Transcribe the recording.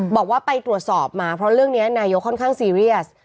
บอกว่าไปตรวจสอบมาเพราะเรื่องนี้นายกค่อนข้างซีเรียส